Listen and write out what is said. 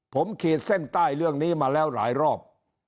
ผมขีดเส้นใต้เรื่องนี้มาแล้วหลายรอบ